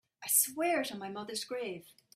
I swear it on my mother's grave.